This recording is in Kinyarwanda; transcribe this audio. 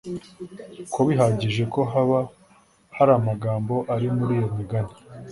ko bihagije ko haba hari amagambo ari muri iyo migani